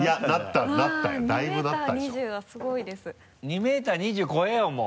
２ｍ２０ｃｍ超えようもう。